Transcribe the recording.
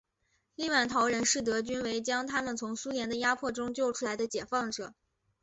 立陶宛人视德军为将他们从苏联的压迫中救出来的解放者。